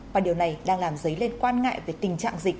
và điều này đang làm dấy lên quan ngại về tình trạng dịch